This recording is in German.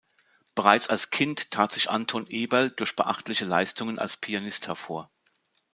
Bereits als Kind tat sich Anton Eberl durch beachtliche Leistungen als Pianist hervor.